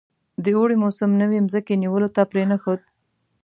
د اوړي موسم نوي مځکې نیولو ته پرې نه ښود.